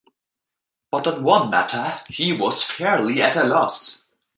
But on one matter he was fairly at a loss.